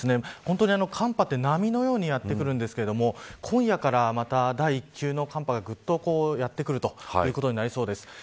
本当に寒波って、波のようにやってくるんですけど今夜からまた第一級の寒波がやってくるということになりそうです。